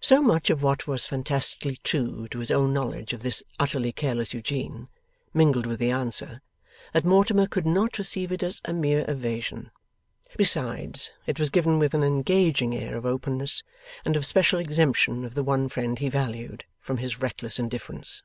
So much of what was fantastically true to his own knowledge of this utterly careless Eugene, mingled with the answer, that Mortimer could not receive it as a mere evasion. Besides, it was given with an engaging air of openness, and of special exemption of the one friend he valued, from his reckless indifference.